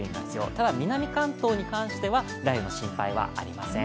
ただ、南関東に関しては雷雨の心配はありません。